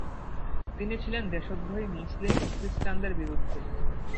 তিনি ছিলেন দেশদ্রোহী মুসলিম ও ক্রিস্টান দের বিরুদ্ধে।